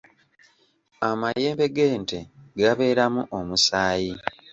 Amayembe g’ente gabeeramu omusaayi.